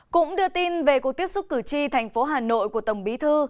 cũng đưa tin về cuộc tiếp xúc cử tri thành phố hà nội của tổng bí thư